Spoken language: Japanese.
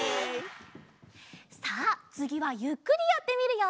さあつぎはゆっくりやってみるよ！